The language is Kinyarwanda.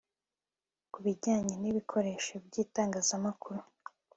ku bijyanye n ibikoresho by itangazamakuru